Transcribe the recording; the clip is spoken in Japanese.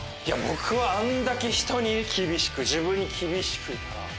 僕はあんだけヒトに厳しく自分に厳しく。